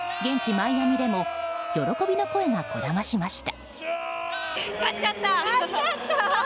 マイアミでも喜びの声がこだましました。